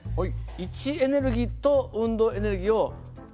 位置エネルギーと運動エネルギーを勉強しましたね。